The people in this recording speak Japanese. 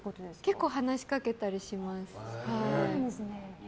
結構話しかけたりします。